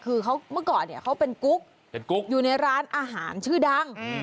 คือเขาเมื่อก่อนเนี่ยเขาเป็นกุ๊กเป็นกุ๊กอยู่ในร้านอาหารชื่อดัง